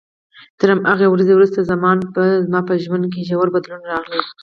تر همغې ورځې وروسته زما په ژوند کې ژور بدلون راغی.